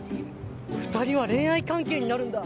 ２人は恋愛関係になるんだ。